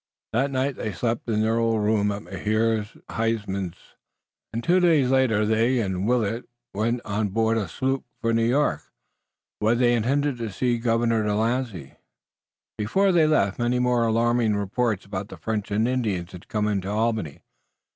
That night they slept in their old room at Mynheer Huysman's and two days later they and Willet went on board a sloop for New York, where they intended to see Governor de Lancey. Before they left many more alarming reports about the French and Indians had come to Albany.